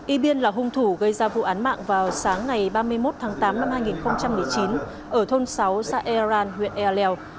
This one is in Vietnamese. ibn là hung thủ gây ra vụ án mạng vào sáng ngày ba mươi một tháng tám năm hai nghìn chín ở thôn sáu xa iran huyện ealel